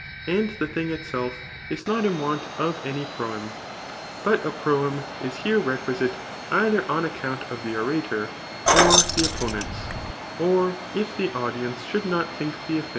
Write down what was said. And the thing itself is not in want of any proem, but a proem is here requisite either on account of the orator or the opponents, or if the audience should not think the affair ' viz.